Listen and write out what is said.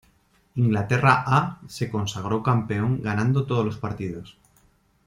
Inglaterra A se consagró campeón ganando todos los partidos.